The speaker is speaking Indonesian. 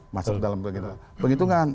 masuk dalam penghitungan